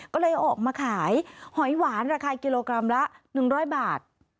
ก็เลยออกมาขายหอยหวานราคากิโลกรัมละ๑๐๐บาท